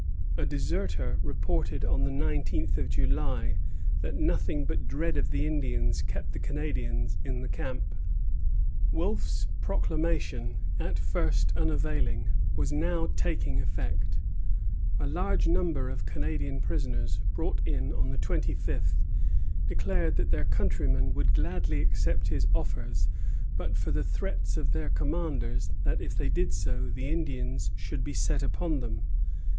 '" A deserter reported on the nineteenth of July that nothing but dread of the Indians kept the Canadians in the camp. Wolfe's proclamation, at first unavailing, was now taking effect. A large number of Canadian prisoners, brought in on the twenty fifth, declared that their countrymen would gladly accept his offers but for the threats of their commanders that if they did so the Indians should be set upon them.